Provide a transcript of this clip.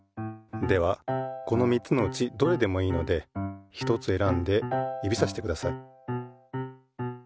ではこの３つのうちどれでもいいのでひとつ選んで指さしてください。